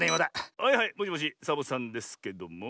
はいはいもしもしサボさんですけども。